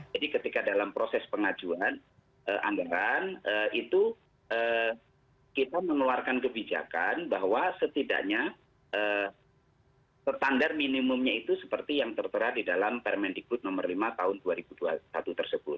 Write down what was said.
jadi ketika dalam proses pengajuan anggaran itu kita mengeluarkan kebijakan bahwa setidaknya standar minimumnya itu seperti yang tertera di dalam permendikbud nomor lima tahun dua ribu dua puluh satu tersebut